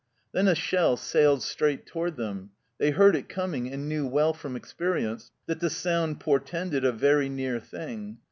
Then a shell sailed straight toward them. They heard it coming, and knew well from experience that the sound portended a very near thing.